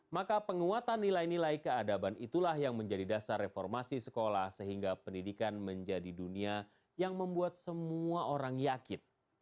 maka penguatan nilai nilai keadaban itulah yang menjadi dasar reformasi sekolah sehingga pendidikan menjadi dunia yang membuat semua orang yakin